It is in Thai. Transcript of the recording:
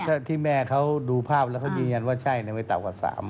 ถ้าที่แม่เขาดูภาพแล้วเขายืนยันว่าใช่ไม่ต่ำกว่า๓๐๐